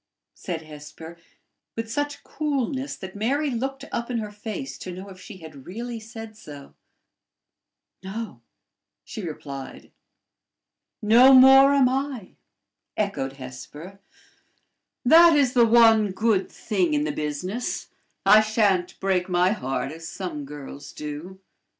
said Hesper with such coolness that Mary looked up in her face to know if she had really said so. "No," she replied. "No more am I," echoed Hesper; "that is the one good thing in the business: I sha'n't break my heart, as some girls do.